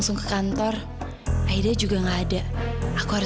tunggu kamu tenang dulu